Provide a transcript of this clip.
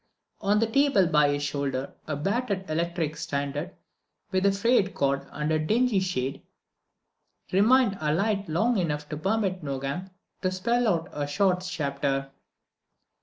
On the table by his shoulder a battered electric standard with a frayed cord and a dingy shade remained alight long enough to permit Nogam to spell out a short chapter.